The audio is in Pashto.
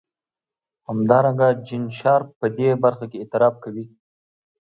همدارنګه جین شارپ په دې برخه کې اعتراف کوي.